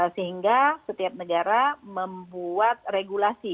sehingga setiap negara membuat regulasi